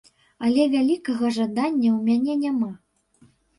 Але вялікага жадання ў мяне няма.